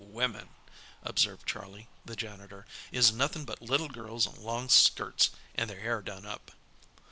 "Wimmin," observed Charlie, the janitor, "is nothin' but little girls in long skirts, and their hair done up."